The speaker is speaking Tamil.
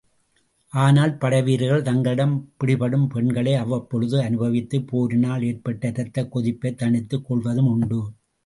ஆனால், படைவீரர்கள் தங்களிடம் பிடிபடும் பெண்களை அவ்வப்பொழுதே அனுபவித்துப் போரினால் எற்பட்ட இரத்தக் கொதிப்பைத் தணித்துக் கொள்வதும் உண்டு.